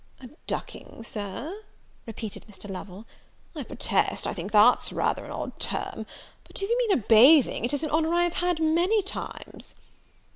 "A ducking, Sir!" repeated Mr. Lovel: "I protest I think that's rather an odd term! but if you mean a bathing, it is an honour I have had many times."